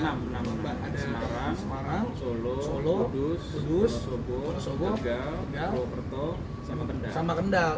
ada semarang solo udus sobo kegal boro perto dan kendal